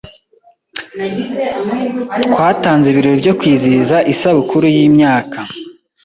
Twatanze ibirori byo kwizihiza isabukuru yimyaka .